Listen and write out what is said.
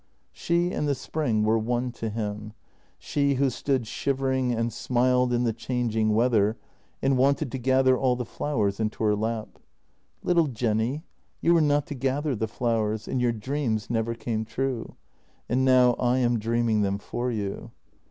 She and the spring were one to him, she who stood shivering and smiled in the changing weather and wanted to gather all the flowers into her lap. Little Jenny, you were not to gather the flowers, and your dreams never came true — and now I am dreaming them for you.